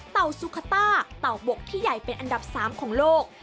เต่าสุคาต้าเต่าบกที่ใหญ่เป็นอันดับ๓ของโลก